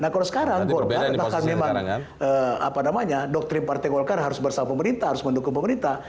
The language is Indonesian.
nah kalau sekarang golkar apakah memang doktrin partai golkar harus bersama pemerintah harus mendukung pemerintah